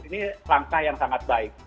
ini langkah yang sangat baik